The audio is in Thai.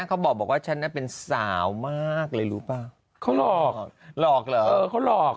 เขาบอกว่าฉันน่ะเป็นสาวมากเลยรู้ป่ะเขาหลอกหลอกเหรอเออเขาหลอก